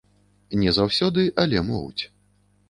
Не заўсёды, але могуць.